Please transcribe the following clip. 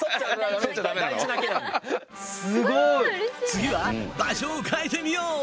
次は場所を変えてみよう！